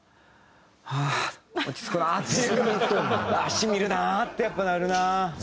「染みるなあ」ってやっぱなるなあ。